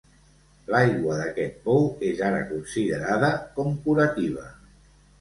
L'aigua d'aquest pou és ara considerada com curativa.